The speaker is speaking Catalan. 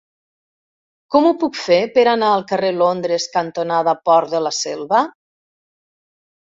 Com ho puc fer per anar al carrer Londres cantonada Port de la Selva?